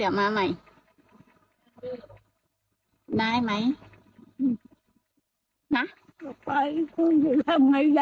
ขอบคุณครับ